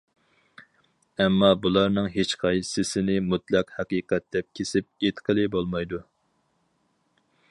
ئەمما بۇلارنىڭ ھېچقايسىسىنى مۇتلەق ھەقىقەت دەپ كېسىپ ئېيتقىلى بولمايدۇ.